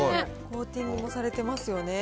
コーティングもされてますよね。